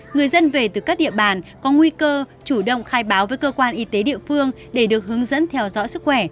người dân về từ các địa bàn có nguy cơ chủ động khai báo với cơ quan y tế địa phương để được hướng dẫn theo dõi sức khỏe